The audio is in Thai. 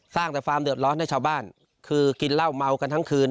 สร้างแต่ความเดือดร้อนให้ชาวบ้านคือกินเหล้าเมากันทั้งคืน